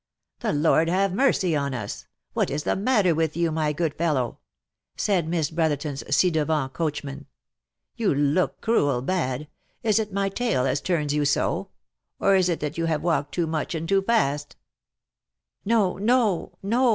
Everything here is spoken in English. " The Lord have mercy on us ! what is the matter with you, my good fellow V said Miss Brotherton's ci devant coachman. " You look cruel bad ! Is it my tale as turns you so ? or is it that you have walked too much and too fast V " No, no, no